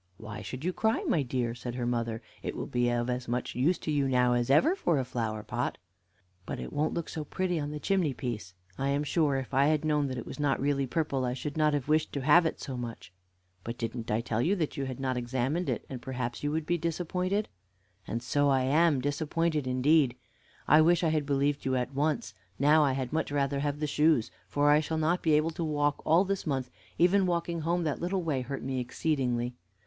"Why should you cry, my dear?" said her mother; "it will be of as much use to you now as ever, for a flower pot." "But it won't look so pretty on the chimney piece. I am sure, if I had known that it was not really purple, I should not have wished to have it so much." "But didn't I tell you that you had not examined it; and that perhaps you would be disappointed?" "And so I am disappointed, indeed. I wish I had believed you at once. Now I had much rather have the shoes, for I shall not be able to walk all this month; even walking home that little way hurt me exceedingly.